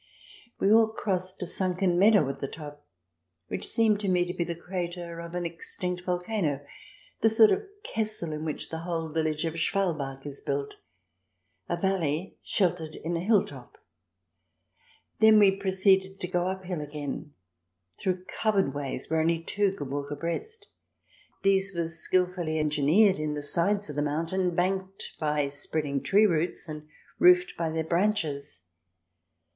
We all crossed a sunken meadow at the top which seemed to me to be the crater of an extinct volcano, the sort of Kessel in which the whole village of Schwalbach is built — a valley sheltered in a hilltop. Then we proceeded to go uphill again through covered ways where only two could walk abreast. These were skilfully engineered in the sides of the mountain, banked by spreading tree roots and roofed by their branches.